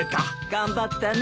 頑張ったね。